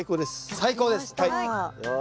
最高です！